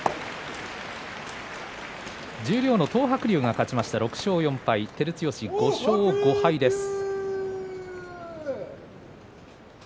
十両の東白龍が勝ちました６勝４敗、照強５勝５敗です。